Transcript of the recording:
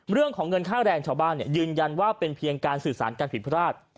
เรื่องของเงินค่าแรงชาวบ้านยืนยันว่าเป็นเพียงการสื่อสารการผิดพลาด